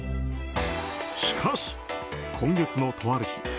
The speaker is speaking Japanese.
しかし、今月のとある日